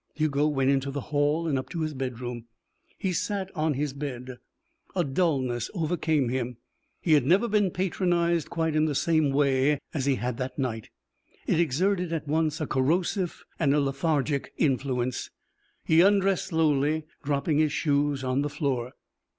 Hugo went into the hall and up to his bedroom. He sat on his bed. A dullness overcame him. He had never been patronized quite in the same way as he had that night; it exerted at once a corrosive and a lethargic influence. He undressed slowly, dropping his shoes on the floor.